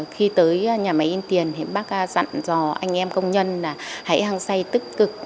khi tới nhà máy in tiền bác dặn cho anh em công nhân là hãy hăng say tức cực